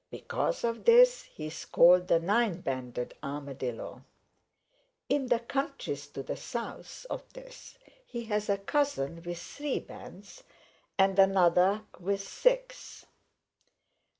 Because of this he is called the Nine banded Armadillo. In the countries to the south of this he has a cousin with three bands and another with six.